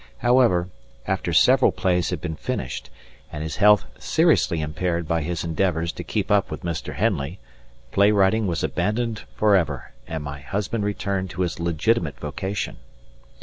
However, after several plays had been finished, and his health seriously impaired by his endeavours to keep up with Mr. Henley, play writing was abandoned forever, and my husband returned to his legitimate vocation.